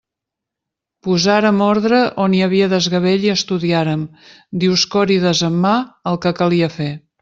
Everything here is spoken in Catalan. Posàrem ordre on hi havia desgavell i estudiàrem, Dioscòrides en mà, el que calia fer.